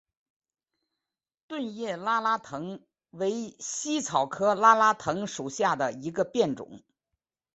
钝叶拉拉藤为茜草科拉拉藤属下的一个变种。